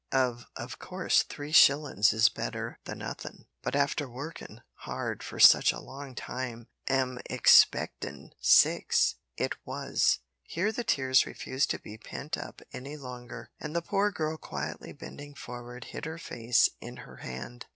Of of course three shillin's is better the nothin', but after workin' hard for such a long long time an' expectin' six, it was " Here the tears refused to be pent up any longer, and the poor girl quietly bending forward hid her face in her hand.